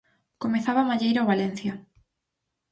Comezaba a malleira ao Valencia.